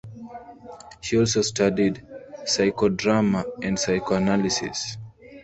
She also studied psychodrama and psychoanalysis.